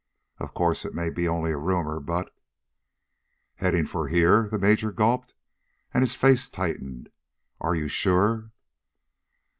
Of course, it may be only a rumor, but " "Heading for here?" the Major gulped, and his face tightened. "Are you sure?"